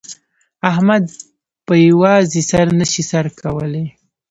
احمد په په یوازې سر نه شي سر کولای.